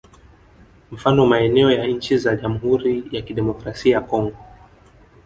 Mfano maeneo ya nchi za Jamhuri ya Kidemokrasia ya Congo